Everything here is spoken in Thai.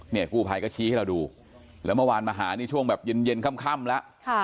กู้ภัยก็ชี้ให้เราดูแล้วเมื่อวานมาหานี่ช่วงแบบเย็นค่ำแล้ว